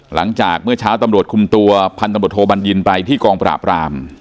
หลังจากเมื่อเช้าตำรวจคุมตัวพันธบทโทบัญญินไปที่กองปราบราม